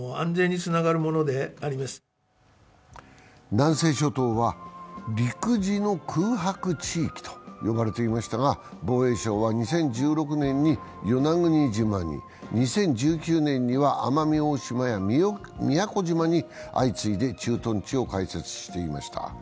南西諸島は陸自の空白地域と呼ばれていましたが防衛省は２０１６年に与那国島に、２０１９年には奄美大島や宮古島に相次いで駐屯地を開設していました。